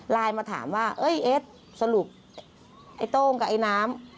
มาถามว่าเอ้ยเอ็ดสรุปไอ้โต้งกับไอ้น้ำ